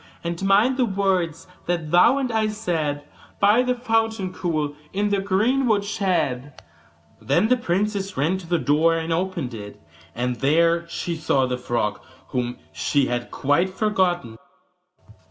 And mind the words that thou and I said By the fountain cool, in the greenwood shade.' Then the princess ran to the door and opened it, and there she saw the frog, whom she had quite forgotten.